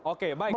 oke baik pak pak